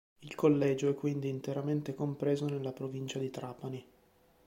Il collegio è quindi interamente compreso nella provincia di Trapani.